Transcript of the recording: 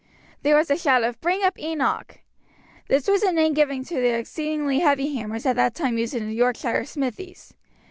There was a shout of "Bring up Enoch!" This was a name given to the exceedingly heavy hammers at that time used in the Yorkshire smithies.